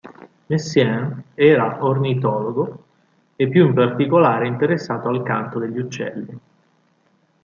Messiaen era ornitologo, e più in particolare interessato al canto degli uccelli.